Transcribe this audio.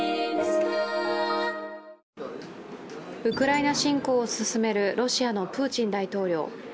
ウクライナ侵攻を進めるロシアのプーチン大統領。